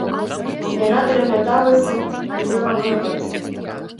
Яна трапяталася, хацела вырвацца.